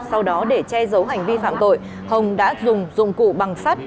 sau đó để che giấu hành vi phạm tội hồng đã dùng dụng cụ bằng sắt